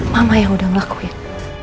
mama yang udah melakuin